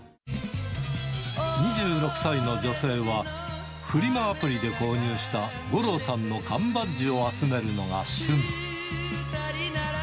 ２６歳の女性は、フリマアプリで購入した五郎さんの缶バッジを集めるのが趣味。